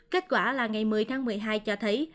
kết quả là ngày một mươi tháng một mươi hai cho thấy